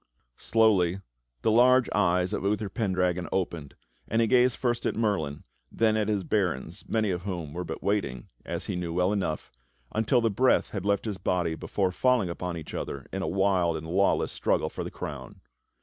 Slowly the large eyes of Uther Pendragon opened, and he gazed first at Merlin, then at his barons many of whom were but waiting, as he knew well enough, until the breath had left his body before falling upon each other in a wild and lawless struggle for the crown.